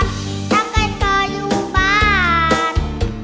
นำกับต่ออยู่บ้าน